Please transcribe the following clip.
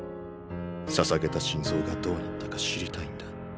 捧げた心臓がどうなったか知りたいんだ。